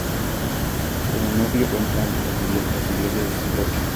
En el núcleo urbano se encuentra la iglesia de San Roque.